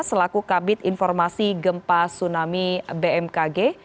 selaku kabit informasi gempa tsunami bmkg